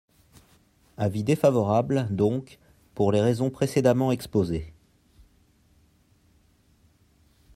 Avis défavorable, donc, pour les raisons précédemment exposées.